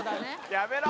やめろ！